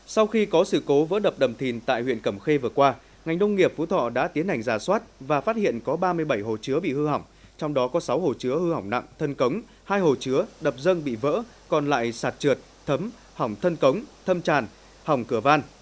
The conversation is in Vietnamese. sau khi có sự cố vỡ đập đầm thìn tại huyện cẩm khê vừa qua ngành đông nghiệp phú thọ đã tiến hành giả soát và phát hiện có ba mươi bảy hồ chứa bị hư hỏng trong đó có sáu hồ chứa hư hỏng nặng thân cống hai hồ chứa đập dâng bị vỡ còn lại sạt trượt thấm hỏng thân cống thâm tràn hỏng cửa van